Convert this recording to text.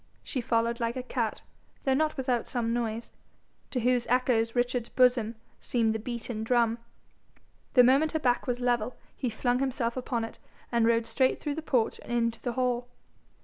She followed like a cat, though not without some noise, to whose echoes Richard's bosom seemed the beaten drum. The moment her back was level, he flung himself upon it, and rode straight through the porch and into the hall.